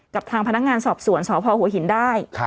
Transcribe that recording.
กับทางพนักงานสอบสวนสพหัวหินได้